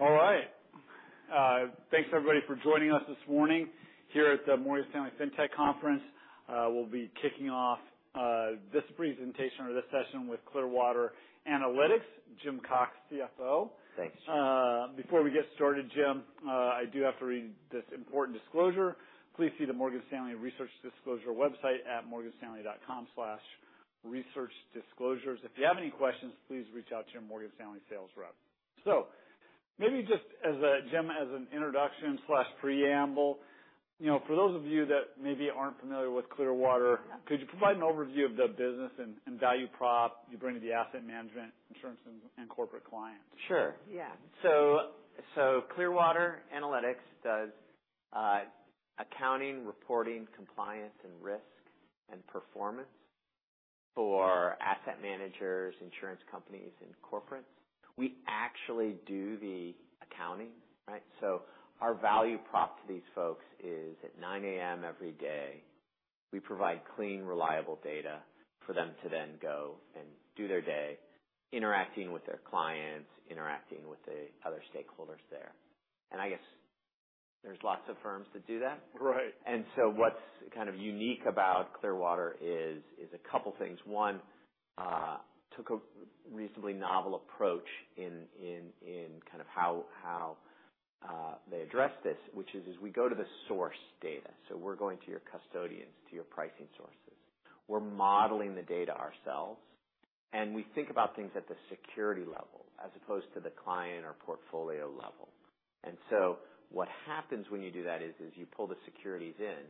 All right. Thanks everybody for joining us this morning here at the Morgan Stanley Fintech Conference. We'll be kicking off this presentation or this session with Clearwater Analytics, Jim Cox, CFO. Thanks. Before we get started, Jim, I do have to read this important disclosure. Please see the Morgan Stanley Research Disclosure website at morganstanley.com/researchdisclosures. If you have any questions, please reach out to your Morgan Stanley sales rep. Maybe just as Jim, as an introduction/preamble, you know, for those of you that maybe aren't familiar with Clearwater, could you provide an overview of the business and value prop you bring to the asset management, insurance, and corporate clients? Sure. Yeah. Clearwater Analytics does accounting, reporting, compliance, and risk, and performance for asset managers, insurance companies, and corporates. We actually do the accounting, right? Our value prop to these folks is, at 9:00 A.M. every day, we provide clean, reliable data for them to then go and do their day, interacting with their clients, interacting with the other stakeholders there. I guess there's lots of firms that do that. Right. What's kind of unique about Clearwater is a couple things. One, took a reasonably novel approach in kind of how they address this, which is we go to the source data. We're going to your custodians, to your pricing sources. We're modeling the data ourselves, and we think about things at the security level as opposed to the client or portfolio level. What happens when you do that is you pull the securities in,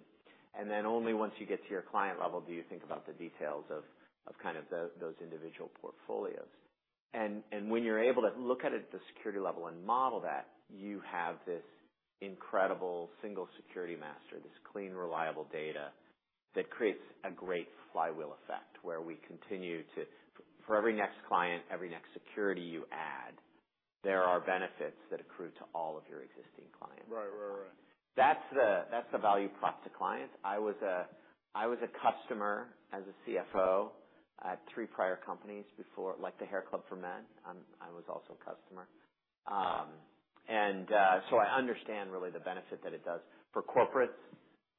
and then only once you get to your client level, do you think about the details of kind of those individual portfolios. When you're able to look at it at the security level and model that, you have this incredible single security master, this clean, reliable data that creates a great flywheel effect, where we continue to. For every next client, every next security you add, there are benefits that accrue to all of your existing clients. Right. Right. Right. That's the value prop to clients. I was a customer as a CFO at three prior companies before. Like the Hair Club for Men, I was also a customer. I understand really the benefit that it does for corporates.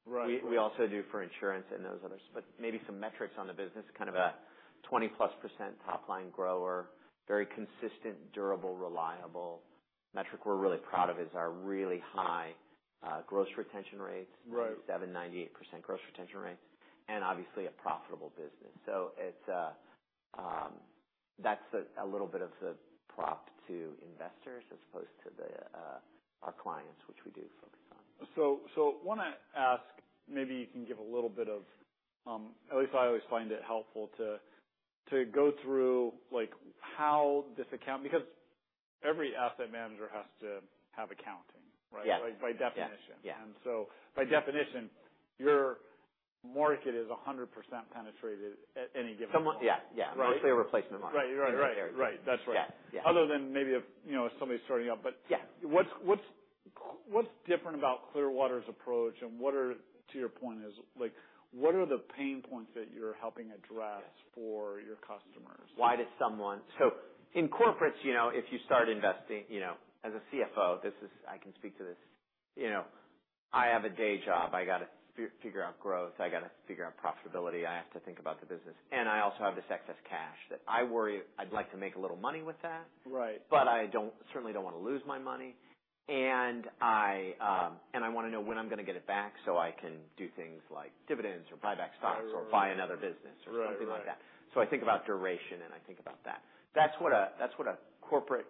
Right. We also do for insurance and those others, but maybe some metrics on the business, kind of a 20+ % top-line grower, very consistent, durable, reliable. Metric we're really proud of is our really high, gross retention rate. Right. 98% gross retention rate, and obviously a profitable business. That's a little bit of the prop to investors as opposed to our clients, which we do focus on. So wanna ask, maybe you can give a little bit of. At least I always find it helpful to go through, like, how this account-- Because every asset manager has to have accounting, right? Yeah. Like, by definition. Yeah. Yeah. By definition, your market is 100% penetrated at any given point. Yeah. Yeah. Right. Mostly a replacement market. Right. Right. Right. That's right. Yeah. Yeah. Other than maybe if, you know, somebody's starting up. Yeah. What's different about Clearwater's approach and what are, to your point, is like, what are the pain points that you're helping address for your customers? Why does someone... In corporates, you know, if you start investing, you know, as a CFO, this is. I can speak to this. You know, I have a day job. I gotta figure out growth. I gotta figure out profitability. I have to think about the business, and I also have this excess cash that I worry. I'd like to make a little money with that. Right. I certainly don't want to lose my money, and I, and I wanna know when I'm gonna get it back, so I can do things like dividends or buy back stocks. Right. Buy another business. Right. -or something like that. I think about duration, and I think about that. That's what a corporate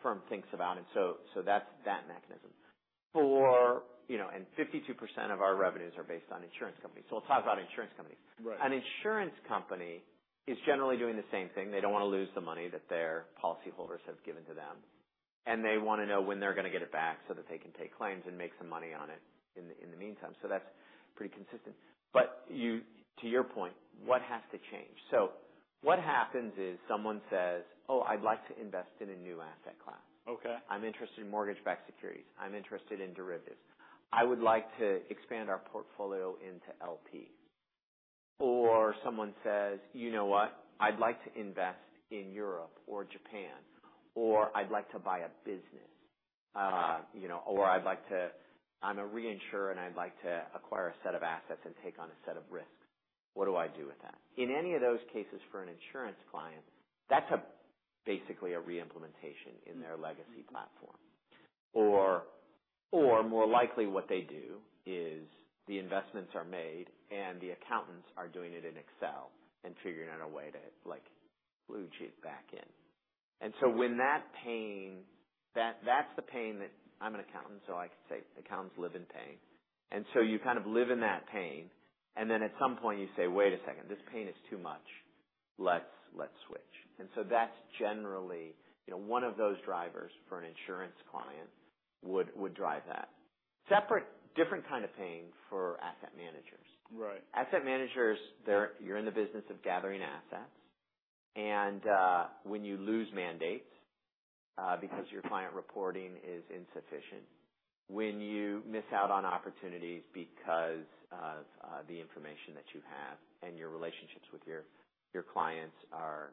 firm thinks about, and so that's that mechanism. You know, and 52% of our revenues are based on insurance companies, so we'll talk about insurance companies. Right. An insurance company is generally doing the same thing. They don't want to lose the money that their policyholders have given to them, and they wanna know when they're gonna get it back so that they can pay claims and make some money on it in the, in the meantime. That's pretty consistent. To your point, what has to change? What happens is someone says, Oh, I'd like to invest in a new asset class. Okay. I'm interested in mortgage-backed securities. I'm interested in derivatives. I would like to expand our portfolio into LP. Someone says, you know what? I'd like to invest in Europe or Japan, or, I'd like to buy a business," you know, or, I'm a reinsurer, and I'd like to acquire a set of assets and take on a set of risks. What do I do with that? In any of those cases, for an insurance client, that's a basically a reimplementation in their legacy platform. More likely what they do is the investments are made, and the accountants are doing it in Excel and figuring out a way to, like, blue sheet back in. When that pain. That's the pain that I'm an accountant, so I can say accountants live in pain. You kind of live in that pain, and then at some point, you say, wait a second, this pain is too much. Let's switch. That's generally, you know, one of those drivers for an insurance client would drive that. Separate, different kind of pain for asset managers. Right. Asset managers, you're in the business of gathering assets, and when you lose mandates, because your client reporting is insufficient when you miss out on opportunities because of the information that you have and your relationships with your clients are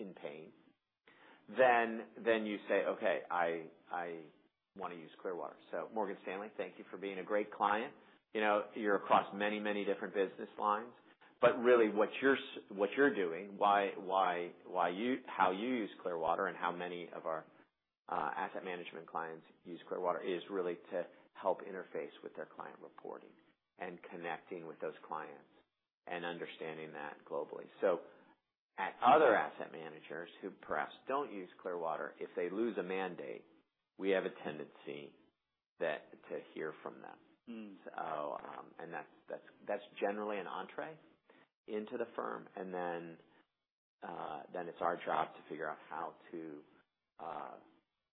in pain, then you say, Okay, I want to use Clearwater. Morgan Stanley, thank you for being a great client. You know, you're across many, many different business lines, but really, what you're doing, why how you use Clearwater and how many of our asset management clients use Clearwater, is really to help interface with their client reporting and connecting with those clients and understanding that globally. At other asset managers who perhaps don't use Clearwater, if they lose a mandate, we have a tendency to hear from them. That's generally an entrée into the firm. Then it's our job to figure out how to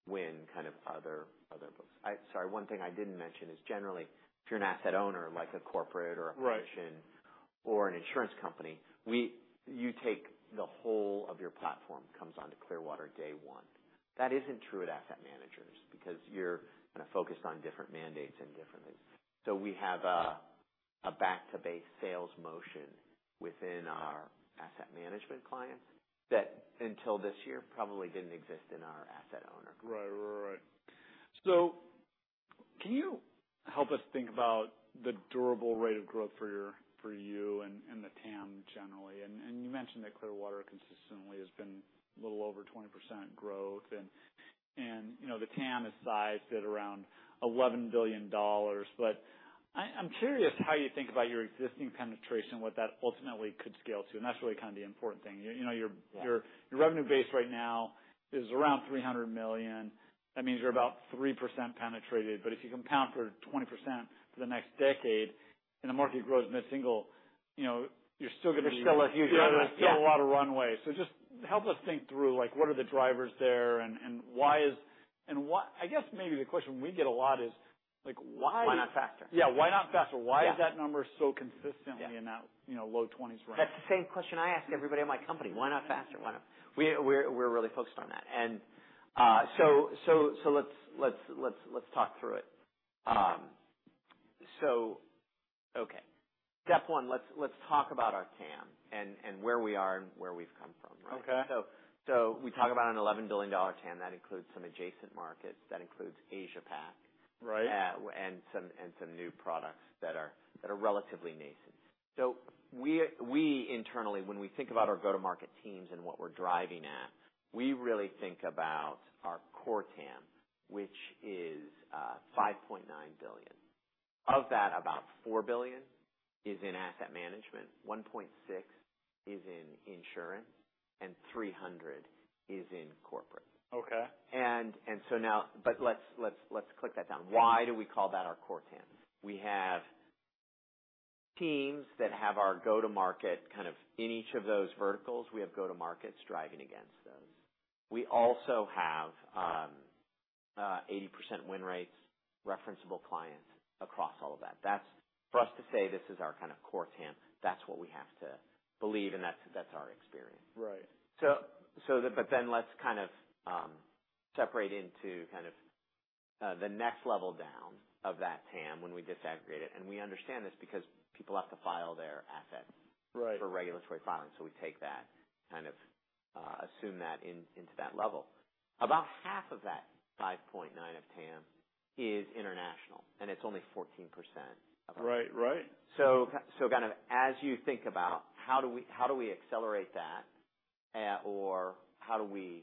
win kind of other business. Sorry, one thing I didn't mention is generally, if you're an asset owner, like a corporate or a pension- Right. an insurance company, you take the whole of your platform comes onto Clearwater day one. That isn't true with asset managers, because you're gonna focus on different mandates and differently. We have a back-to-base sales motion within our asset management clients that, until this year, probably didn't exist in our asset owner. Right. Right, right. Can you help us think about the durable rate of growth for you and the TAM generally? You mentioned that Clearwater consistently has been a little over 20% growth and, you know, the TAM is sized at around $11 billion. I'm curious how you think about your existing penetration, what that ultimately could scale to, and that's really kind of the important thing. You know, Yeah. Your revenue base right now is around $300 million. That means you're about 3% penetrated, but if you compound for 20% for the next decade, and the market grows mid-single, you know, you're still gonna. There's still a huge amount. Yeah, there's still a lot of runway. Just help us think through, like, what are the drivers there and why is. I guess maybe the question we get a lot is, like, why? Why not faster? Yeah, why not faster? Yeah. Why is that number so consistently- Yeah. in that, you know, low twenties range? That's the same question I ask everybody in my company. Why not faster? Why not? We're really focused on that. Let's talk through it. Okay. Step one, let's talk about our TAM and where we are and where we've come from, right? Okay. We talk about an $11 billion TAM. That includes some adjacent markets. That includes Asia Pac- Right. And some new products that are relatively nascent. We internally, when we think about our go-to-market teams and what we're driving at, we really think about our core TAM, which is $5.9 billion. Of that, about $4 billion is in asset management, $1.6 billion is in insurance, and $300 million is in corporate. Okay. Now. Let's click that down. Why do we call that our core TAM? We have teams that have our go-to-market, kind of in each of those verticals, we have go-to-markets driving against those. We also have 80% win rates, referenceable clients across all of that. That's for us to say this is our kind of core TAM. That's what we have to believe, and that's our experience. Right. Let's kind of, separate into kind of, the next level down of that TAM when we disaggregate it, and we understand this because people have to file their assets. Right. for regulatory filings. We take that, kind of, assume that in, into that level. About half of that 5.9 of TAM is international, it's only 14% of our Right. Right. Kind of as you think about how do we accelerate that, or we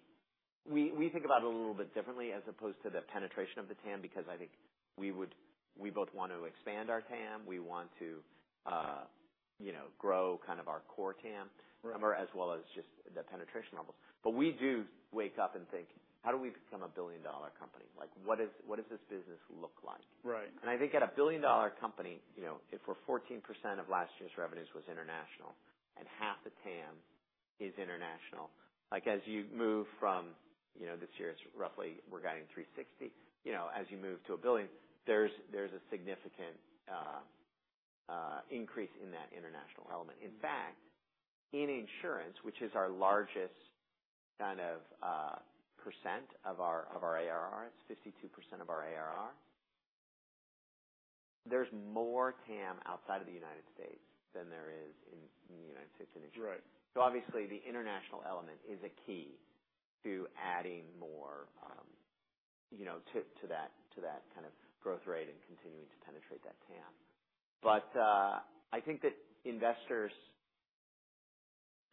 think about it a little bit differently as opposed to the penetration of the TAM, because I think we both want to expand our TAM. We want to, you know, grow kind of our core TAM. Right As well as just the penetration levels. We do wake up and think: How do we become a billion-dollar company? Like, what does this business look like? Right. I think at a billion-dollar company, you know, if we're 14% of last year's revenues was international and half the TAM is international, like, as you move from, you know, this year, it's roughly we're guiding $360 million. You know, as you move to $1 billion, there's a significant increase in that international element. In fact, in insurance, which is our largest kind of percent of our, of our ARR, it's 52% of our ARR. There's more TAM outside of the United States than there is in the United States and insurance. Right. Obviously, the international element is a key to adding more, you know, to that kind of growth rate and continuing to penetrate that TAM. I think that investors.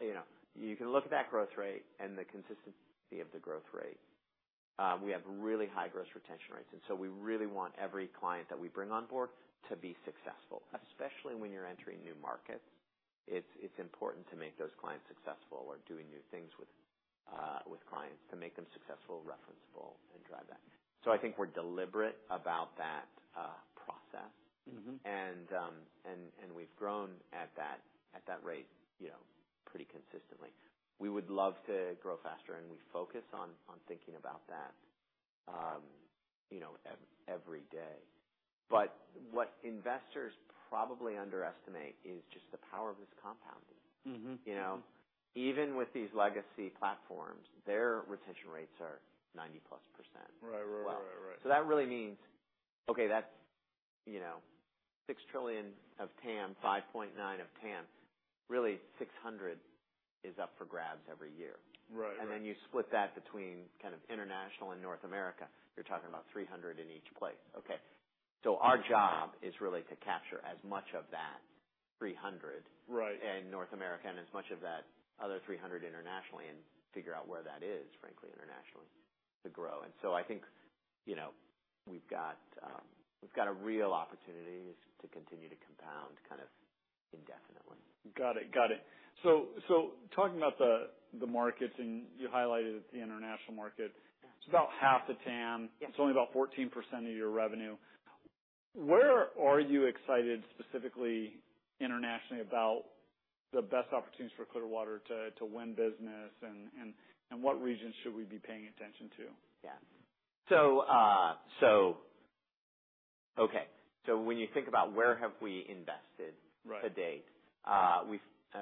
You know, you can look at that growth rate and the consistency of the growth rate. We have really high gross retention rate, we really want every client that we bring on board to be successful, especially when you're entering new markets. It's important to make those clients successful or doing new things with clients, to make them successful, referenceable, and drive that. I think we're deliberate about that process. We've grown at that rate, you know, pretty consistently. We would love to grow faster, and we focus on thinking about that. You know every day. What investors probably underestimate is just the power of this compounding. You know, even with these legacy platforms, their retention rates are 90+%. Right, right, right. That really means, okay, that's, you know, $6 trillion of TAM, $5.9 of TAM. Really, $600 is up for grabs every year. Right, right. You split that between kind of international and North America. You're talking about $300 in each place. Okay. Our job is really to capture as much of that $300- Right in North America, and as much of that other $300 internationally, and figure out where that is, frankly, internationally, to grow. I think, you know, we've got a real opportunity to continue to compound kind of indefinitely. Got it. Talking about the markets, and you highlighted the international market. It's about half the TAM. Yeah. It's only about 14% of your revenue. Where are you excited, specifically internationally, about the best opportunities for Clearwater to win business, and what regions should we be paying attention to? Yeah. Okay, when you think about where have we invested. Right To date,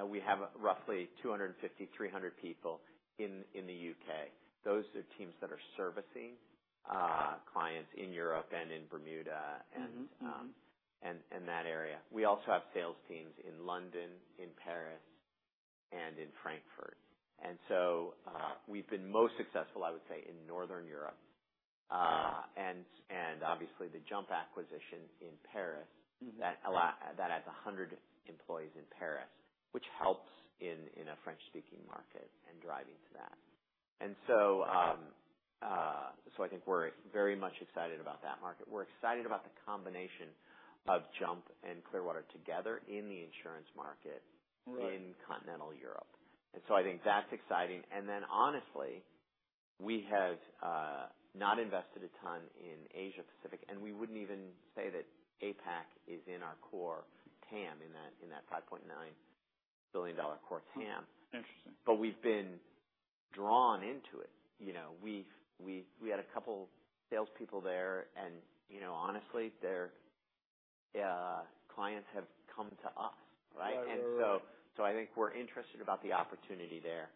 we have roughly 250-300 people in the U.K. Those are teams that are servicing clients in Europe and in Bermuda. In that area. We also have sales teams in London, in Paris, and in Frankfurt. We've been most successful, I would say, in Northern Europe, and obviously, the JUMP acquisition in Paris. That adds 100 employees in Paris, which helps in a French-speaking market and driving to that. I think we're very much excited about that market. We're excited about the combination of JUMP and Clearwater together in the insurance market. Right in continental Europe. I think that's exciting. Honestly, we have not invested a ton in Asia Pacific, and we wouldn't even say that APAC is in our core TAM, in that $5.9 billion core TAM. Interesting. We've been drawn into it. You know, we had a couple salespeople there, and, you know, honestly, their clients have come to us, right? Right. I think we're interested about the opportunity there.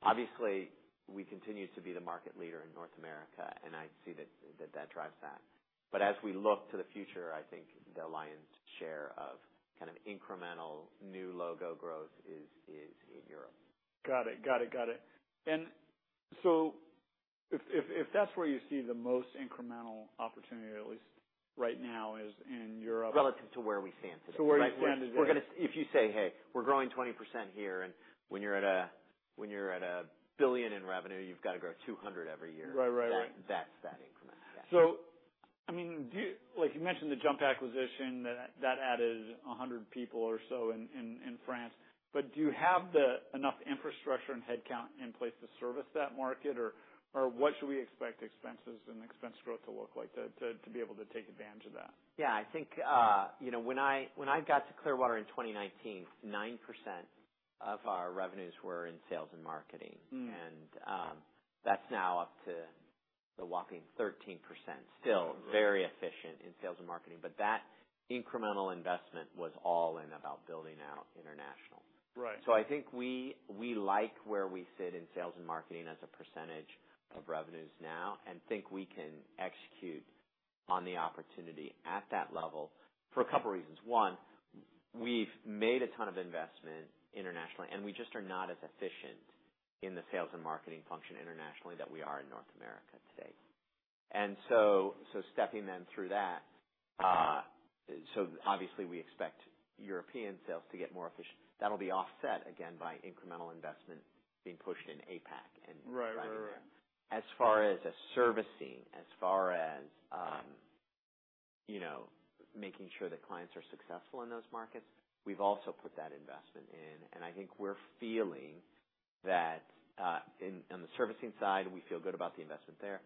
Obviously, we continue to be the market leader in North America, and I see that drives that. As we look to the future, I think the lion's share of kind of incremental new logo growth is in Europe. Got it. If that's where you see the most incremental opportunity, at least right now, is in Europe. Relative to where we stand today. To where you stand today. If you say, hey, we're growing 20% here and when you're at $1 billion in revenue, you've got to grow $200 million every year. Right, right. That's that increment. I mean, like you mentioned, the JUMP acquisition, that added 100 people or so in France. Do you have the enough infrastructure and headcount in place to service that market? What should we expect expenses and expense growth to look like to be able to take advantage of that? Yeah, I think, you know, when I got to Clearwater in 2019, 9% of our revenues were in sales and marketing. Mm. That's now up to a whopping 13%. Right. Still very efficient in sales and marketing. That incremental investment was all in about building out international. Right. I think we like where we sit in sales and marketing as a percentage of revenues now, and think we can execute on the opportunity at that level for a couple reasons. One, we've made a ton of investment internationally, and we just are not as efficient in the sales and marketing function internationally, that we are in North America today. Stepping then through that, obviously we expect European sales to get more efficient. That'll be offset again by incremental investment being pushed in APAC and. Right. As far as servicing, you know, making sure that clients are successful in those markets, we've also put that investment in. I think we're feeling that, in, on the servicing side, we feel good about the investment there.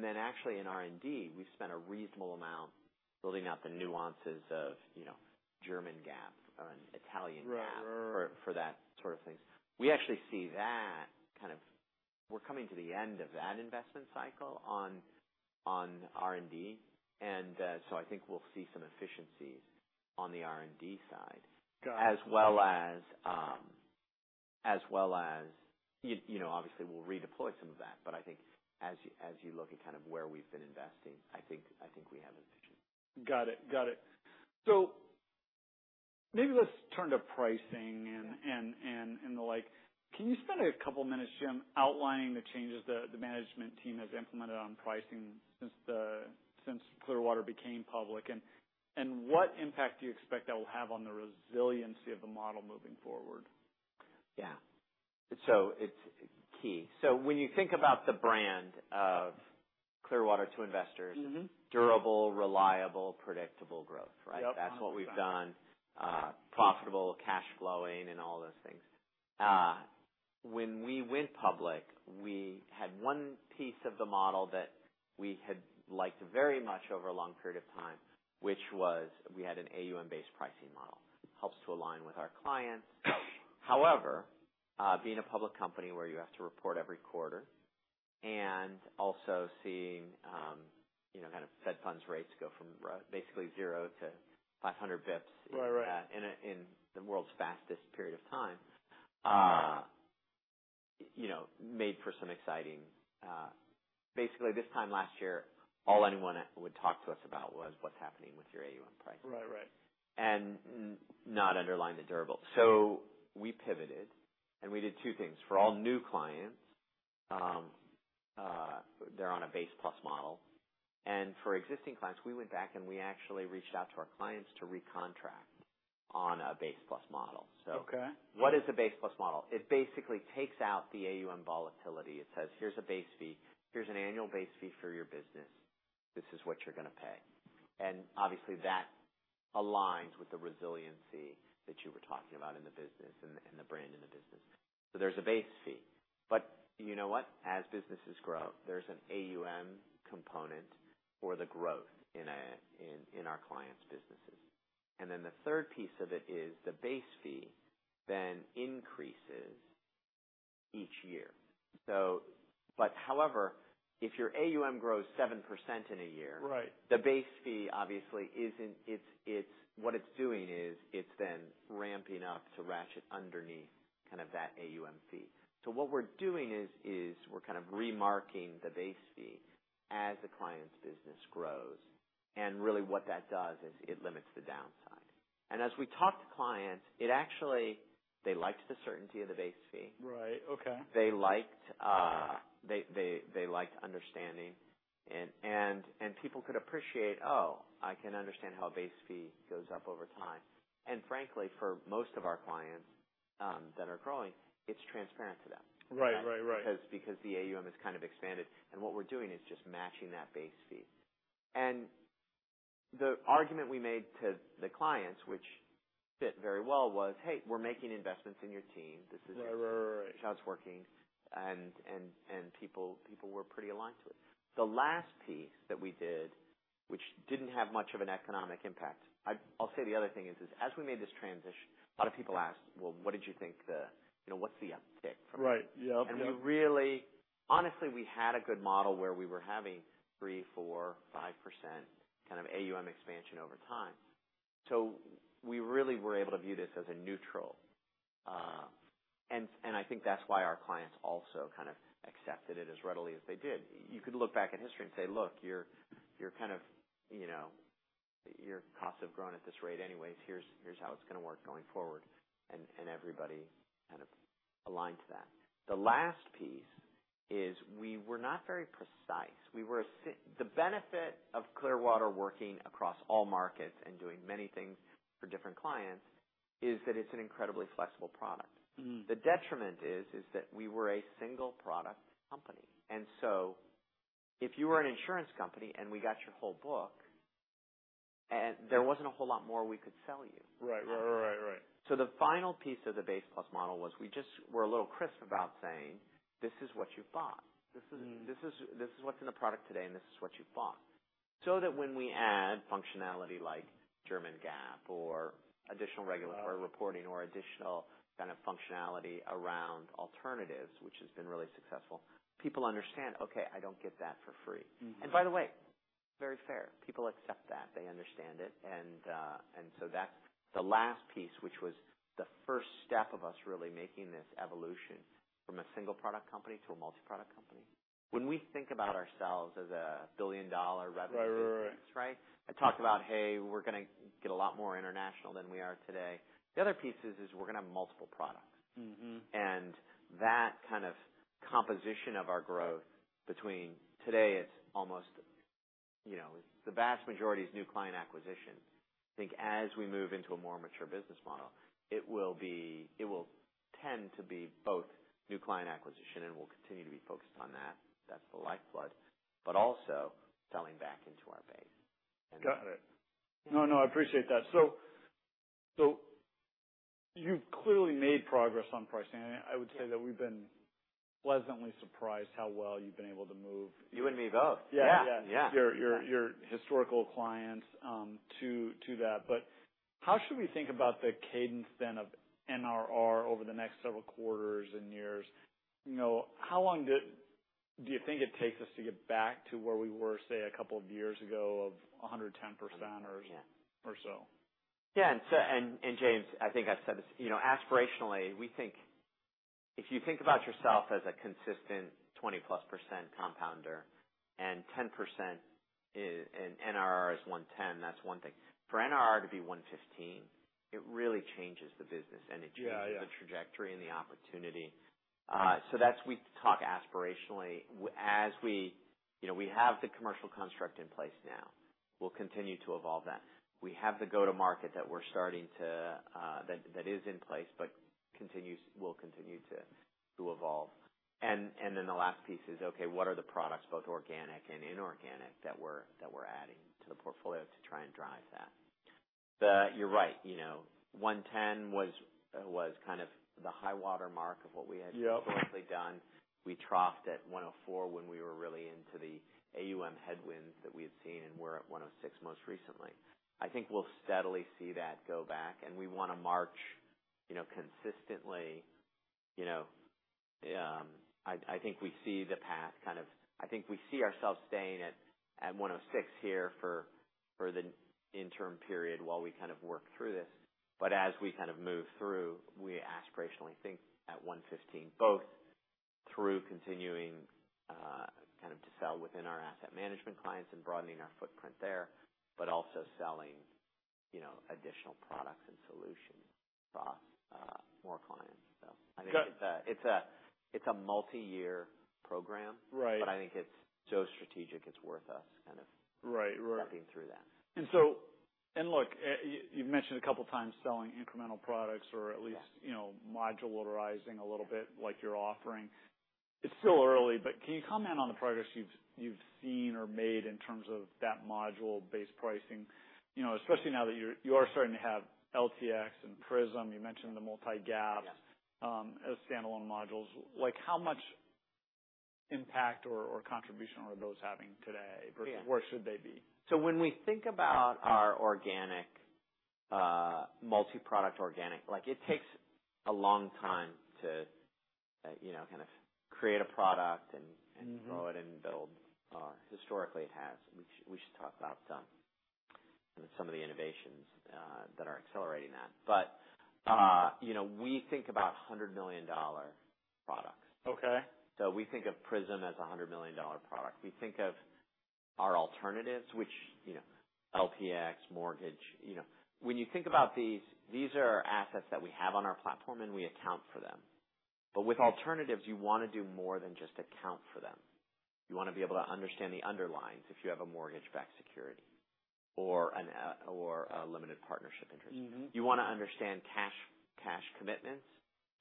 Then actually in R&D, we've spent a reasonable amount building out the nuances of, you know, German GAAP and Italian GAAP. Right. for that sort of things. We actually see that kind of, we're coming to the end of that investment cycle on R&D, so I think we'll see some efficiencies on the R&D side. Got it. As well as... you know, obviously, we'll redeploy some of that. I think as you look at kind of where we've been investing, I think we have an efficient. Got it. Got it. Maybe let's turn to pricing and the like. Can you spend a couple minutes, Jim, outlining the changes the management team has implemented on pricing since Clearwater became public? What impact do you expect that will have on the resiliency of the model moving forward? Yeah. It's key. When you think about the brand of Clearwater to investors- Mm-hmm Durable, reliable, predictable growth, right? Yep. That's what we've done. profitable, cash flowing, and all those things. When we went public, we had one piece of the model that we had liked very much over a long period of time, which was we had an AUM-based pricing model. Helps to align with our clients. Being a public company where you have to report every quarter and also seeing, you know, kind of Fed funds rate go from basically 0-500 bps. Right, right. in the world's fastest period of time, you know, made for some exciting. Basically, this time last year, all anyone would talk to us about was what's happening with your AUM pricing. Right, right. Not underlying the durable. We pivoted, and we did two things. For all new clients, they're on a base plus model, and for existing clients, we went back and we actually reached out to our clients to recontract on a base plus model. Okay. What is a base plus model? It basically takes out the AUM volatility. It says, here's a base fee. Here's an annual base fee for your business. This is what you're going to pay." Obviously, that aligns with the resiliency that you were talking about in the business and the brand in the business. There's a base fee, but you know what? As businesses grow, there's an AUM component for the growth in our clients' businesses. The third piece of it is the base fee then increases each year. However, if your AUM grows 7% in a year. Right. The base fee obviously isn't, it's what it's doing is, it's then ramping up to ratchet underneath kind of that AUM fee. What we're doing is we're kind of remarketing the base fee as the client's business grows. Really, what that does is it limits the downside. As we talk to clients, it actually. They liked the certainty of the base fee. Right. Okay. They liked understanding, and people could appreciate, oh, I can understand how a base fee goes up over time. Frankly, for most of our clients, that are growing, it's transparent to them. Right. Right, right. The AUM is kind of expanded, and what we're doing is just matching that base fee. The argument we made to the clients, which fit very well, was, "Hey, we're making investments in your team. Right, right. How it's working, and people were pretty aligned to it. The last piece that we did, which didn't have much of an economic impact, I'll say the other thing is as we made this transition, a lot of people asked, "Well, what did you think You know, what's the uptick from it? Right. Yeah. Honestly, we had a good model where we were having 3%, 4%, 5% kind of AUM expansion over time. We really were able to view this as a neutral, and I think that's why our clients also kind of accepted it as readily as they did. You could look back at history and say, Look, you're kind of, you know. Your costs have grown at this rate anyways. Here's how it's going to work going forward. Everybody kind of aligned to that. The last piece is we were not very precise. The benefit of Clearwater working across all markets and doing many things for different clients, is that it's an incredibly flexible product. Mm. The detriment is that we were a single product company. If you were an insurance company and we got your whole book, there wasn't a whole lot more we could sell you. Right. Right, right. The final piece of the base plus model was we just were a little crisp about saying, This is what you bought. This is what's in the product today, and this is what you bought." When we add functionality like German GAAP or additional reporting or additional kind of functionality around alternatives, which has been really successful, people understand, Okay, I don't get that for free. Mm-hmm. By the way, very fair. People accept that. They understand it, and so that's the last piece, which was the first step of us really making this evolution from a single product company to a multi-product company. When we think about ourselves as a billion-dollar revenue. Right. Right? I talk about, hey, we're going to get a lot more international than we are today. The other piece is we're going to have multiple products. Mm-hmm. That kind of composition of our growth between. Today, it's almost, you know, the vast majority is new client acquisition. As we move into a more mature business model, it will tend to be both new client acquisition and will continue to be focused on that. That's the lifeblood, but also selling back into our base. Got it. No, I appreciate that. You've clearly made progress on pricing, I would say that we've been pleasantly surprised how well you've been able to. You and me both. Yeah. Yeah. Yeah. Your historical clients, to that. How should we think about the cadence then, of NRR over the next several quarters and years? You know, how long do you think it takes us to get back to where we were, say, a couple of years ago of 110% or. Yeah. or so? Yeah, James, I think I've said this, you know, aspirationally, we think if you think about yourself as a consistent 20+% compounder and 10% in NRR is 110%, that's one thing. For NRR to be 115%, it really changes the business. Yeah, yeah. Changes the trajectory and the opportunity. We talk aspirationally. As we, you know, we have the commercial construct in place now. We'll continue to evolve that. We have the go-to-market that we're starting to, that is in place, but we'll continue to evolve. The last piece is, okay, what are the products, both organic and inorganic, that we're adding to the portfolio to try and drive that? You're right, you know, 110% was kind of the high water mark of what we had. Yep. Historically done. We troughed at 104% when we were really into the AUM headwinds that we had seen, and we're at 106% most recently. I think we'll steadily see that go back, and we wanna march, you know, consistently. You know, I think we see the path kind of. I think we see ourselves staying at 106% here for the interim period while we kind of work through this. As we kind of move through, we aspirationally think at 115%, both through continuing kind of to sell within our asset management clients and broadening our footprint there, but also selling, you know, additional products and solutions across more clients. I think it's a multi-year program. Right. I think it's so strategic, it's worth us. Right, right. stepping through that. Look, you've mentioned a couple of times selling incremental products or at least. Yeah You know, modularizing a little bit like you're offering. It's still early, but can you comment on the progress you've seen or made in terms of that module-based pricing? You know, especially now that you are starting to have LPx and Prism. You mentioned the multi-GAAP. Yeah as standalone modules. Like, how much impact or contribution are those having today? Yeah versus where should they be? When we think about our organic, multi-product organic, like, it takes a long time to, you know, kind of create a product. Mm-hmm Grow it and build. Historically, it has. We should talk about some of the innovations that are accelerating that. You know, we think about $100 million products. Okay. We think of Prism as a $100 million product. We think of our alternatives, which, you know, LPx, MLx. You know, when you think about these are assets that we have on our platform, and we account for them. With alternatives, you wanna do more than just account for them. You wanna be able to understand the underlying if you have a mortgage-backed security or an or a limited partnership interest. Mm-hmm. You wanna understand cash commitments,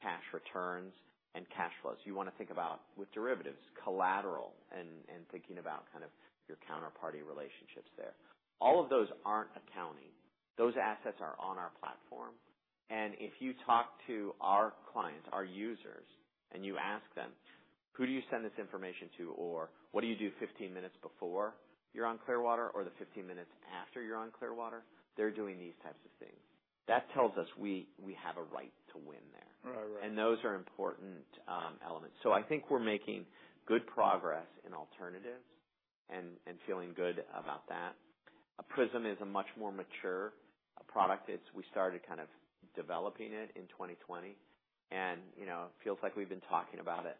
cash returns, and cash flows. You wanna think about, with derivatives, collateral and thinking about kind of your counterparty relationships there. Yeah. All of those aren't accounting. Those assets are on our platform, if you talk to our clients, our users, you ask them: Who do you send this information to? What do you do 15 minutes before you're on Clearwater, or the 15 minutes after you're on Clearwater?" They're doing these types of things. That tells us we have a right to win there. Right. Right. Those are important elements. I think we're making good progress in alternatives and feeling good about that. Prism is a much more mature product. We started kind of developing it in 2020, and, you know, it feels like we've been talking about it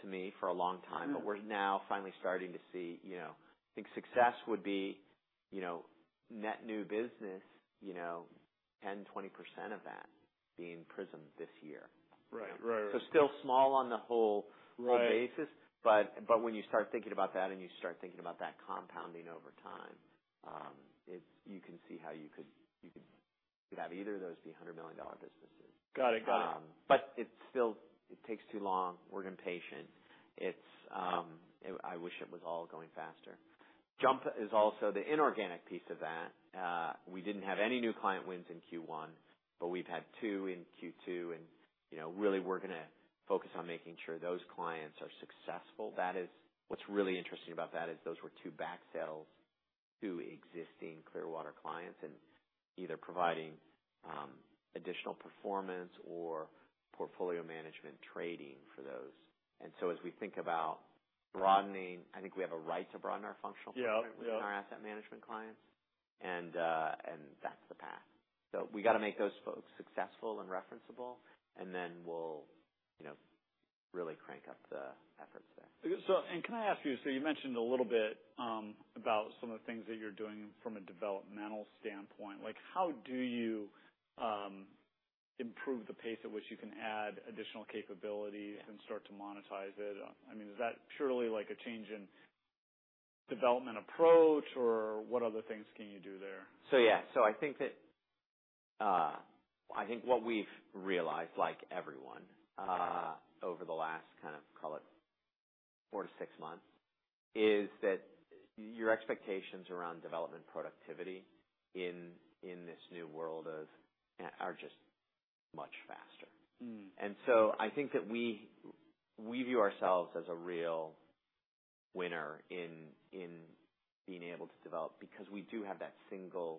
to me for a long time. We're now finally starting to see. You know, I think success would be, you know, net new business, you know, 10%, 20% of that being Prism this year. Right. Right. still small on the whole. Right Whole basis, but when you start thinking about that and you start thinking about that compounding over time, you can see how you could have either of those be $100 million businesses. Got it. Got it. BuT it's still it takes too long. We're impatient. It's, I wish it was all going faster. JUMP is also the inorganic piece of that. We didn't have any new client wins in Q1, but we've had 2 in Q2, and, you know, really, we're gonna focus on making sure those clients are successful. What's really interesting about that is those were 2 back sells to existing Clearwater clients, and either providing additional performance or portfolio management trading for those. As we think about broadening, I think we have a right to broaden our functional- Yeah. Yeah. With our asset management clients, and that's the path. We got to make those folks successful and referenceable, and then we'll, you know, really crank up the efforts there. Can I ask you, so you mentioned a little bit about some of the things that you're doing from a developmental standpoint. Like, how do you improve the pace at which you can add additional capabilities and start to monetize it? I mean, is that purely like a change in development approach, or what other things can you do there? Yeah, so I think that, I think what we've realized, like everyone, over the last kind of, call it 4-6 months, is that your expectations around development productivity in this new world of... are just much faster. Mm. I think that we view ourselves as a real winner in being able to develop, because we do have that single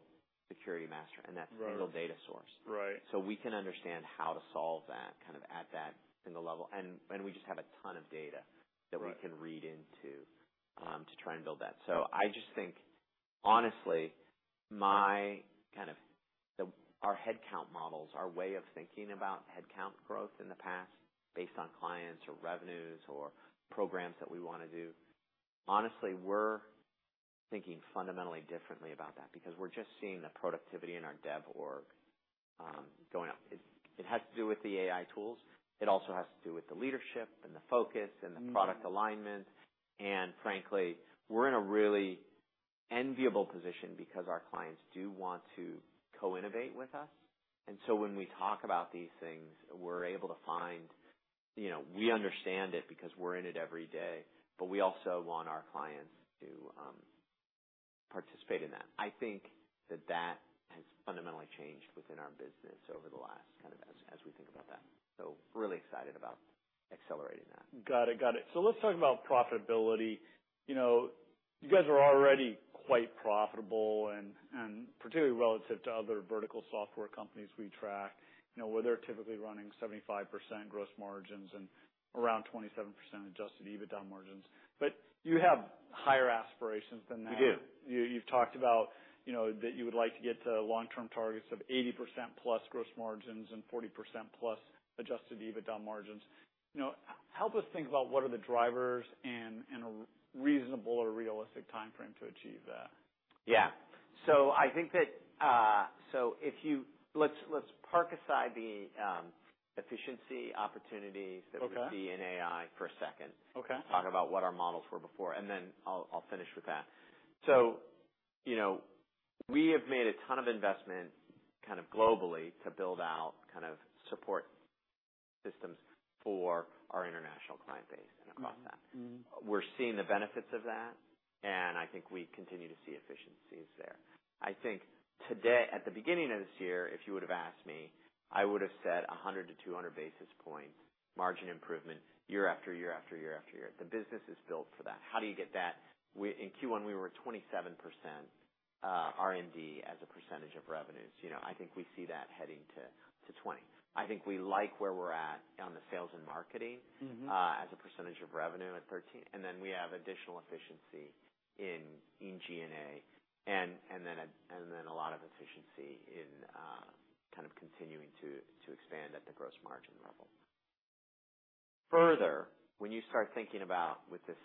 security master. Right That single data source. Right. we can understand how to solve that, kind of at that single level. And we just have a ton of data- Right that we can read into to try and build that. I just think, honestly, my kind of our headcount models, our way of thinking about headcount growth in the past, based on clients or revenues or programs that we wanna do, honestly, we're thinking fundamentally differently about that because we're just seeing the productivity in our dev org going up. It, it has to do with the AI tools. It also has to do with the leadership and the focus- Mm-hmm The product alignment. Frankly, we're in a really enviable position because our clients do want to co-innovate with us. When we talk about these things, we're able to find, you know, we understand it because we're in it every day, but we also want our clients to participate in that. I think that that has fundamentally changed within our business over the last kind of as we think about that. Really excited about accelerating that. Got it. Let's talk about profitability. You know, you guys are already quite profitable and particularly relative to other vertical software companies we track, you know, where they're typically running 75% gross margins and around 27% adjusted EBITDA margins. You have higher aspirations than that. We do. You've talked about, you know, that you would like to get to long-term targets of 80%+ gross margins and 40%+ adjusted EBITDA margins. You know, help us think about what are the drivers and a reasonable or realistic timeframe to achieve that. Yeah. I think that, Let's park aside the efficiency opportunities- Okay. that we see in AI for a second. Okay. Talk about what our models were before, and then I'll finish with that. You know, we have made a ton of investment, kind of globally, to build out kind of support systems for our international client base and across that. Mm-hmm. We're seeing the benefits of that. I think we continue to see efficiencies there. I think at the beginning of this year, if you would have asked me, I would have said 100-200 basis points, margin improvement, year-after-year-after-year-after-year. The business is built for that. How do you get that? In Q1, we were at 27% R&D as a percentage of revenues. You know, I think we see that heading to 20%. I think we like where we're at on the sales and marketing as a percentage of revenue at 13%. Then we have additional efficiency in G&A, and then a lot of efficiency in kind of continuing to expand at the gross margin level. Further, when you start thinking about with the.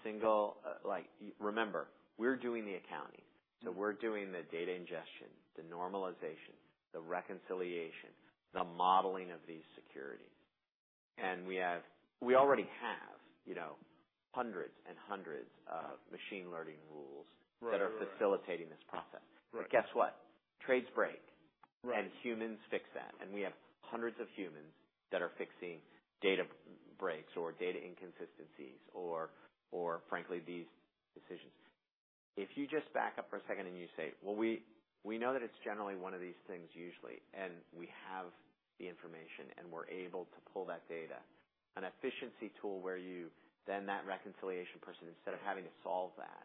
Like, remember, we're doing the accounting. Mm-hmm. We're doing the data ingestion, the normalization, the reconciliation, the modeling of these securities. We already have, you know, hundreds and hundreds of machine learning rules... Right, right. that are facilitating this process. Right. guess what? Trades break. Right. Humans fix that, and we have hundreds of humans that are fixing data breaks or data inconsistencies, or frankly, these decisions. You just back up for a second and you say, Well, we know that it's generally one of these things, usually, and we have the information, and we're able to pull that data. An efficiency tool where then that reconciliation person, instead of having to solve that,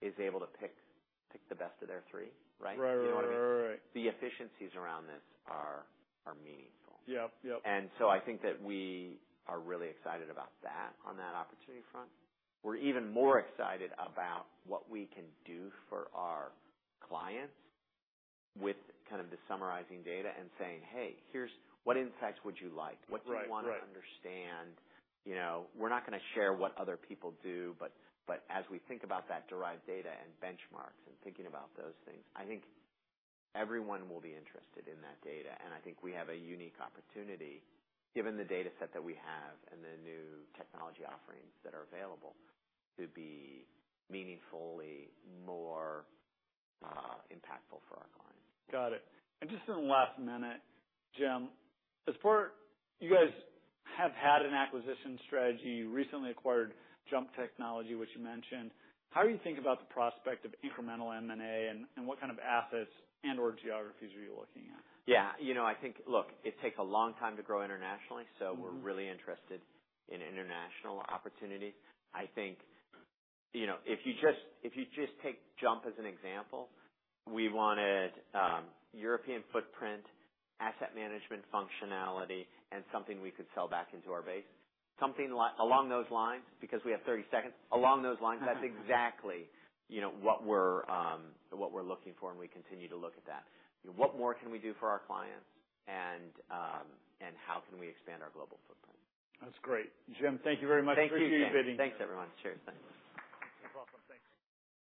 is able to pick the best of their three, right? Right. You know what I mean? Right. The efficiencies around this are meaningful. Yep. Yep. I think that we are really excited about that on that opportunity front. We're even more excited about what we can do for our clients with kind of the summarizing data and saying, hey, here's. What insights would you like? Right. Right. What do you want to understand? You know, we're not going to share what other people do, but as we think about that derived data and benchmarks and thinking about those things, I think everyone will be interested in that data. I think we have a unique opportunity, given the data set that we have and the new technology offerings that are available, to be meaningfully more impactful for our clients. Got it. Just in the last minute, Jim. You guys have had an acquisition strategy. You recently acquired JUMP Technology, which you mentioned. How do you think about the prospect of incremental M&A, and what kind of assets and/or geographies are you looking at? Yeah, you know, Look, it takes a long time to grow internationally. Mm-hmm. We're really interested in international opportunities. I think, you know, if you just take JUMP as an example, we wanted European footprint, asset management functionality, and something we could sell back into our base. Something like along those lines, because we have 30 seconds, along those lines. Mm-hmm. That's exactly, you know, what we're looking for, and we continue to look at that. What more can we do for our clients, and how can we expand our global footprint? That's great. Jim, thank you very much. Thank you. Appreciate you being here. Thanks, everyone. Cheers. Thanks. That's awesome. Thanks.